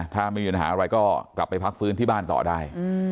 ถ้าไม่มีปัญหาอะไรก็กลับไปพักฟื้นที่บ้านต่อได้